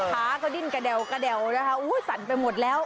ขาก็ดิ้นกระเด็วกระเด็วสั่นไปหมดแล้ว